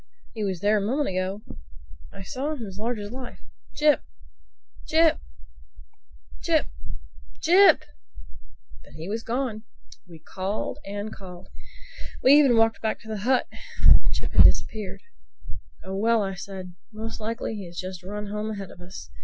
"He was there a moment ago. I saw him as large as life. Jip—Jip—Jip—JIP!" But he was gone. We called and called. We even walked back to the hut. But Jip had disappeared. "Oh well," I said, "most likely he has just run home ahead of us.